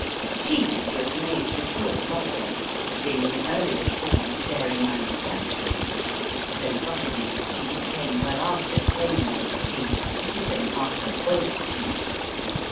Cheese was made before butter, being the earliest form of dairy manufacturing, so buttermilk cheese came well after plain milk cheese, even after whey cheese.